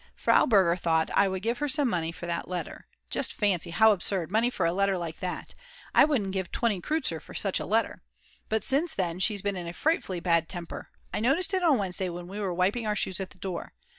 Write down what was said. Frau Berger thought I would give her some money for that letter; just fancy, how absurd, money for a letter like that, I wouldn't give 20 kreuzer for such a letter. But since then she's been in a frightfully bad temper, I noticed it on Wednesday when we were wiping our shoes at the door.